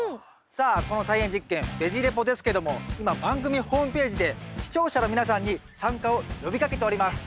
さあこの菜園実験「ベジ・レポ」ですけども今番組ホームページで視聴者の皆さんに参加を呼びかけております。